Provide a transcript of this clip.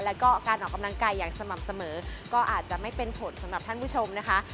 แล้วก็การออกกำลังกายอย่างสม่ำเสมอก็อาจจะไม่เป็นผลสำหรับท่านผู้ชมนะคะ